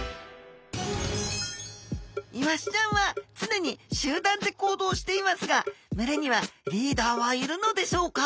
イワシちゃんは常に集団で行動していますが群れにはリーダーはいるのでしょうか？